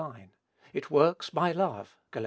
9;) it works by love; (Gal.